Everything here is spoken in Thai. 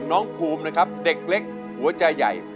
น้องภูมินะครับเด็กเล็กหัวใจใหญ่